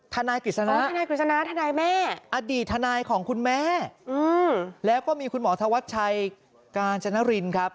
ทนายกฤษณะทนายกฤษณะทนายแม่อดีตทนายของคุณแม่แล้วก็มีคุณหมอธวัชชัยกาญจนรินครับ